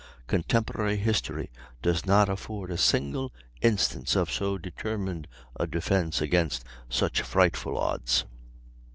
Contemporary history does not afford a single instance of so determined a defence against such frightful odds.